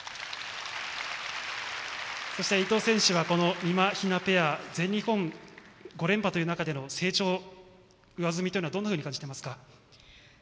そして、伊藤選手はみまひなペア全日本５連覇という中での成長、上積みというのはどのように感じてますか？